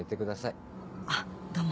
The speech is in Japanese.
あっどうも。